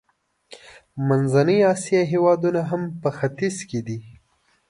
منځنۍ اسیا هېوادونه هم په ختیځ کې دي.